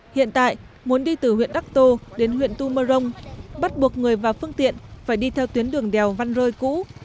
hiện tại muốn đi từ huyện đắc tô đến huyện tumorong bắt buộc người và phương tiện phải đi theo tuyến đường đèo văn rơi cũ